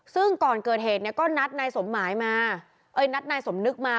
ซึ่งก่อนเกิดเหตุก็นัดนายสมนึกมา